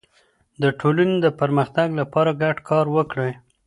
د ټولني د پرمختګ لپاره ګډ کار وکړئ.